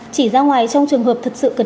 chỉ ra ngoài trong trường hợp thực sự